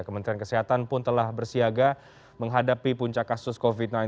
kementerian kesehatan pun telah bersiaga menghadapi puncak kasus covid sembilan belas